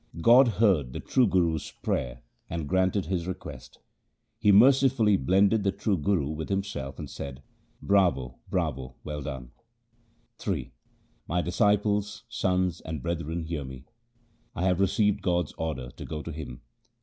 God heard the true Guru's prayer and granted his request ; He mercifully blended the true Guru with Himself and said, ' Bravo ! bravo ! well done !' III * My disciples, sons, and brethren, hear me ; I have received God's order to go to Him.'